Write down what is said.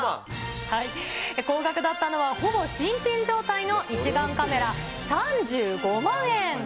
高額だったのは、ほぼ新品状態の一眼カメラ、３５万円。